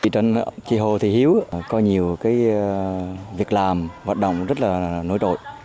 trên trị hồ thì hiếu có nhiều việc làm hoạt động rất là nổi trội